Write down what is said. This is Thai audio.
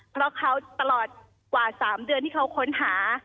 เพราะเขาตลอดกว่า๓เดือนที่เขาค้นหา